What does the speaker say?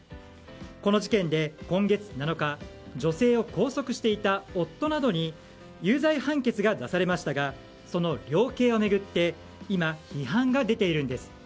この事件で今月７日女性を拘束していた夫などに有罪判決が出されましたがその量刑を巡って今、批判が出ているんです。